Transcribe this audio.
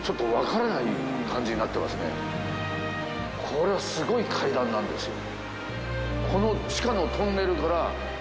これはすごい階段なんですよ。